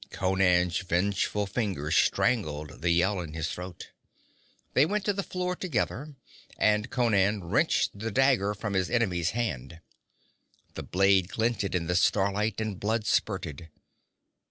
_' Conan's vengeful fingers strangled the yell in his throat. They went to the floor together and Conan wrenched the dagger from his enemy's hand. The blade glinted in the starlight, and blood spurted.